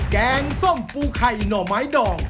แกงส้มปูไข่หน่อไม้ดอง